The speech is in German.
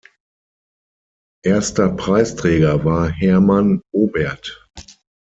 Erster Preisträger war Hermann Oberth.